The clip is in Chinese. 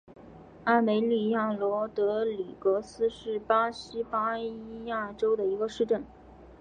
阿梅利娅罗德里格斯是巴西巴伊亚州的一个市镇。